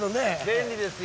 便利ですよ。